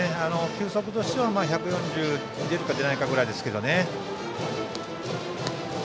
球速としては１４０出るか出ないかぐらいですけどね。